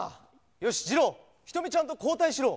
よしじろーひとみちゃんとこうたいしろ。